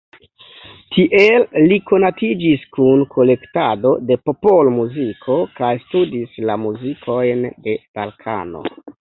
Tiel li konatiĝis kun kolektado de popolmuziko kaj studis la muzikojn de Balkano.